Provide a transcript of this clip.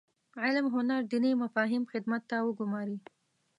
علم هنر دیني مفاهیم خدمت ته وګوماري.